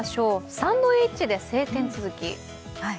サンドイッチで晴天続き？